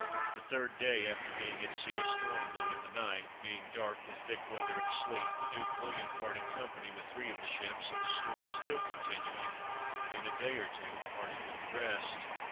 The third day after being at sea, a storm blew in the night; being dark with thick weather and sleet, the Duke William parted company with three of the ships, and the storm still continuing, in a day or two parted with the rest.